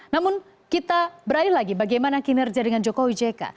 namun kita beralih lagi bagaimana kinerja dengan jokowi jk